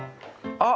あっ！